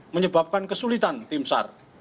menyebabkan kesulitan tim sar